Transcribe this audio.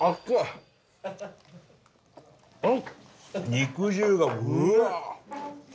肉汁がうわ。